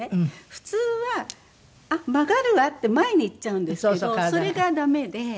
普通はあっ曲がるわって前にいっちゃうんですけどそれがダメで。